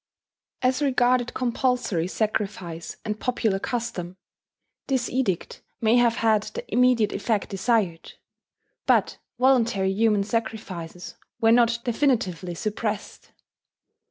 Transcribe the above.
As regarded compulsory sacrifice and popular custom, this edict may have had the immediate effect desired; but voluntary human sacrifices were not definitively suppressed.